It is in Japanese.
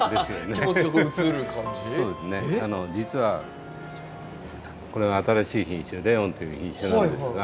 実はこれは新しい品種「レオン」という品種なんですが。